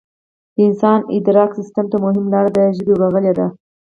د انسان ادراک سیستم ته مهمه لار د ژبې ورغلې ده